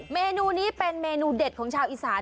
เมนูนี้เป็นเมนูเด็ดของชาวอีสาน